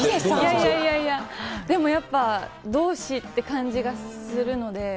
でもやっぱ同志って感じがするので。